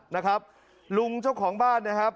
นะครับลุงเจ้าของบ้านนะครับ